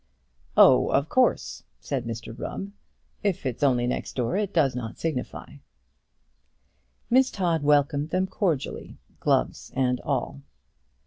"Oh, of course," said Mr Rubb. "If it's only next door it does not signify." Miss Todd welcomed them cordially, gloves and all.